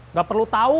nggak perlu tau